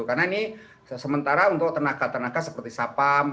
karena ini sementara untuk tenaga tenaga seperti sapam